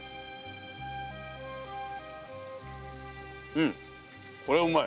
うんこれはうまい。